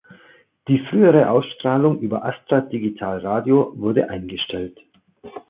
Die frühere Ausstrahlung über Astra Digital Radio wurde eingestellt.